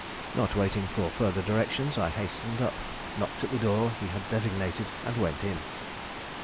Not waiting for further directions, I hastened up, knocked at the door he had designated, and went in.